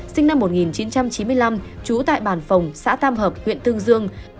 sinh năm một nghìn chín trăm chín mươi năm trú tại bàn phòng xã tam hợp huyện tương dương